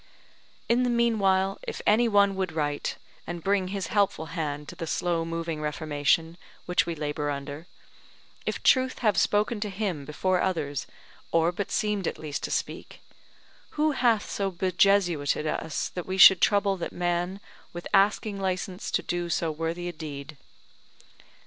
In the meanwhile if any one would write, and bring his helpful hand to the slow moving Reformation which we labour under, if Truth have spoken to him before others, or but seemed at least to speak, who hath so bejesuited us that we should trouble that man with asking license to do so worthy a deed?